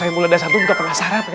emangnya pak ustadz gak penasaran kan